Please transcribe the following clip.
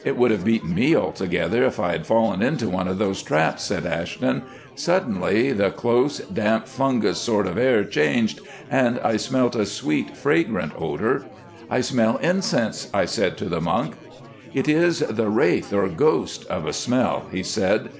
"It would have beaten me altogether if I had fallen into one of those traps," said Ashton. "Suddenly the close, damp, fungus sort of air changed and I smelt a sweet fragrant odour. 'I smell incense,' I said to the monk. "'It is the wraith, or ghost, of a smell,' he said.